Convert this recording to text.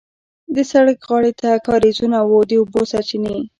د سړک غاړې ته کارېزونه وو د اوبو سرچینې.